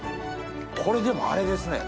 これでもあれですね